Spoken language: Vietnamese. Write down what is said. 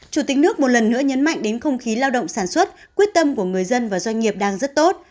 chủ tịch nước một lần nữa nhấn mạnh đến không khí lao động sản xuất quyết tâm của người dân và doanh nghiệp đang rất tốt